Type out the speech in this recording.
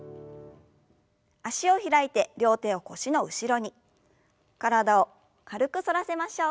脚を開いて両手を腰の後ろに体を軽く反らせましょう。